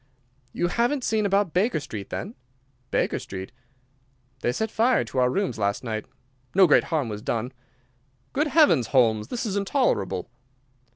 "You haven't seen about Baker Street, then?" "Baker Street?" "They set fire to our rooms last night. No great harm was done." "Good heavens, Holmes! This is intolerable."